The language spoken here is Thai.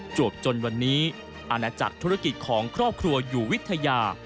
วกจนวันนี้อาณาจักรธุรกิจของครอบครัวอยู่วิทยา